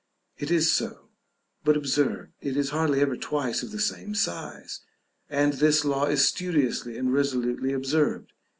It is so, but observe, it is hardly ever twice of the same size; and this law is studiously and resolutely observed.